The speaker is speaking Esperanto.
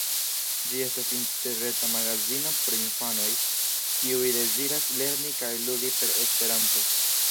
Ĝi estas interreta magazino por infanoj, kiuj deziras lerni kaj ludi per Esperanto.